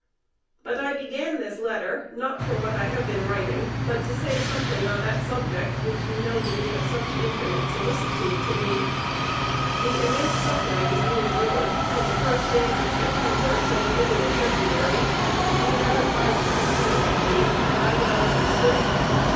But I began this letter, not for what I have been writing, but to say something on that subject which you know to be of such infinite solicitude to me. The immense sufferings you endured from the first days of September till the middle of February you never tried to conceal from me, and I well understood.